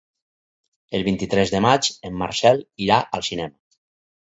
El vint-i-tres de maig en Marcel irà al cinema.